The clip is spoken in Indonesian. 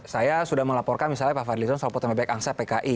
saya sudah melaporkan misalnya pak fadlison soal potongan baik angsa pki